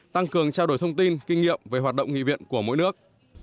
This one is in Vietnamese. tăng cường trao đổi thông tin kinh nghiệm về hoạt động nghị viện của mỗi nước